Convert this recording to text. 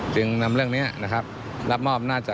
จึงทำเรื่องนี้รับมอบน่าจะ